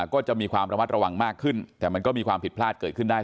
ก็จะมีความระมัดระวังมากขึ้นแต่มันก็มีความผิดพลาดเกิดขึ้นได้